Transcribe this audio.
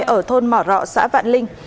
ở thôn mỏ rọ xã vạn linh